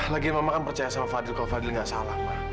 lagian mama kan percaya sama fadil kalau fadil nggak salah ma